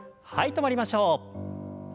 止まりましょう。